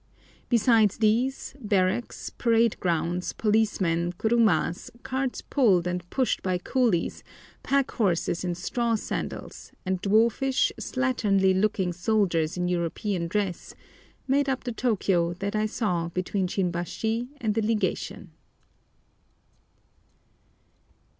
Besides these, barracks, parade grounds, policemen, kurumas, carts pulled and pushed by coolies, pack horses in straw sandals, and dwarfish, slatternly looking soldiers in European dress, made up the Tôkiyô that I saw between Shinbashi and the Legation.